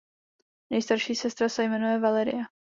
Nejstarší sestra se jmenuje Valeria.